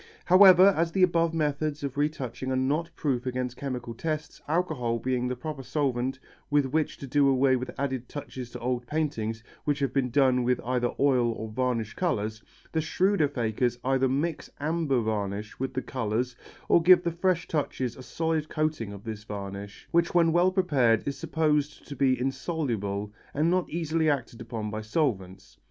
However, as the above methods of retouching are not proof against chemical tests, alcohol being the proper solvent with which to do away with added touches to old paintings which have been done with either oil or varnish colours, the shrewder fakers either mix amber varnish with the colours or give the fresh touches a solid coating of this varnish, which when well prepared is supposed to be insoluble and not easily acted upon by solvents.